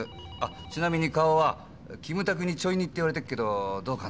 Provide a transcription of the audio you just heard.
ちなみに顔はキムタクにちょい似って言われてるけどどうかな？